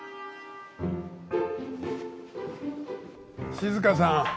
静香さん